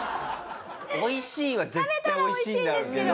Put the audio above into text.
おいしいは絶対おいしいんだろうけど。